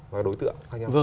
và đối tượng khác nhau